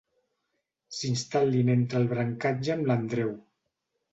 S'instal·lin entre el brancatge amb l'Andreu.